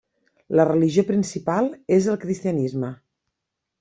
La religió principal és el cristianisme.